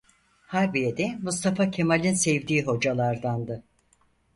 Harbiye'de Mustafa Kemal'in sevdiği hocalardandı.